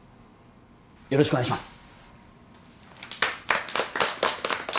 よろしくお願いします。